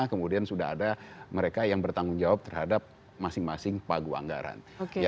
kemudian sudah ada mereka yang bertanggung jawab terhadap masing masing pagu anggaran